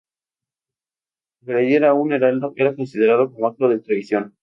Agredir a un heraldo era considerado como acto de traición.